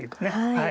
はい。